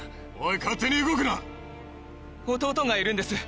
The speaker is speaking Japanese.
勝手に動くな弟がいるんです